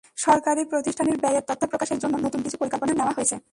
সরকারি প্রতিষ্ঠানের ব্যয়ের তথ্য প্রকাশের জন্য নতুন কিছু পরিকল্পনা নেওয়া হয়েছে।